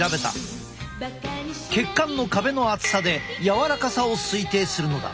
血管の壁の厚さで柔らかさを推定するのだ。